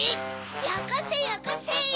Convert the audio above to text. よこせよこせ！